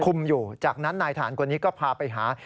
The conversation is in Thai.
อยู่จากนั้นนายฐานคนนี้ก็พาไปหา